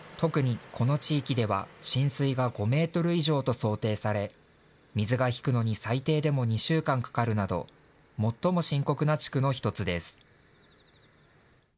特にこの地域では浸水が５メートル以上と想定され水が引くのに最低でも２週間かかるなど最も深刻な地区の１つです。